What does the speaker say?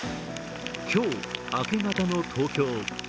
今日明け方の東京。